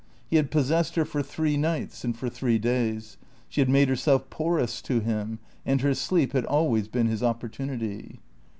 He had possessed her for three nights and for three days. She had made herself porous to him; and her sleep had always been his opportunity.